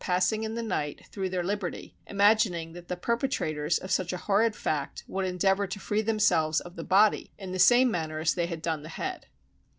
passing in the night through their liberty, imagining that the perpetrators of such a horrid fact would endeavour to free themselves of the body in the same manner as they had done the head.